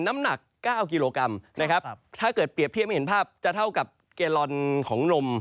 น้ำหนัก๙กิโลกรัมนะครับถ้าเกิดเปรียบเทียบให้เห็นภาพจะเท่ากับเกลอนของนม